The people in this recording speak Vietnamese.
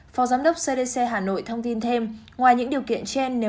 phó giám đốc cdc hà nội thông tin thêm ngoài những điều kiện trên nếu